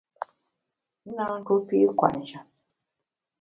I na ntuo pi’ kwet njap.